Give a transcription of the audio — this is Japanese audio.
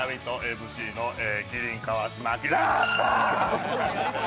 ＭＣの麒麟・川島明！